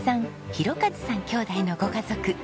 泰一さん兄弟のご家族。